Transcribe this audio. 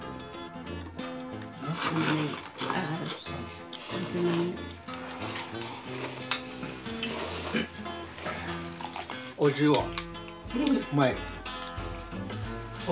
おいしいわ。